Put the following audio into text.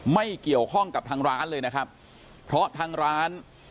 ไม่เกี่ยวข้องกับทางร้านเลยนะครับเพราะทางร้าน